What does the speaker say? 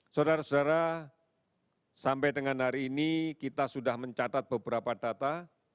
saudara saudara sampai dengan hari ini kita sudah mencatat beberapa data